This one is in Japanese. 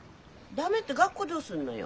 駄目って学校どうすんのよ？